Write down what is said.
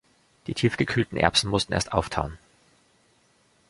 Die tiefgekühlten Erbsen mussten erst auftauen.